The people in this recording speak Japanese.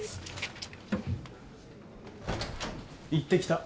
行ってきた。